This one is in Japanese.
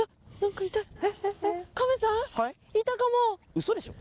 ウソでしょ？